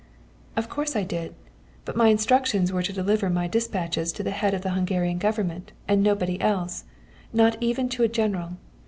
"Of course I did, but my instructions were to deliver my despatches to the head of the Hungarian Government, and nobody else, not even to a general.